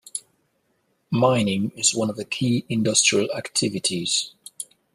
Mining is one of the key industrial activities.